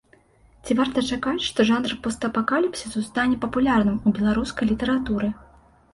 Ці варта чакаць, што жанр постапакаліпсісу стане папулярным у беларускай літаратуры?